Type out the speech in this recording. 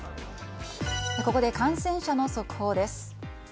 ここで感染者の速報です。